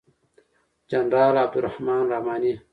جنرال عبدالرحمن رحماني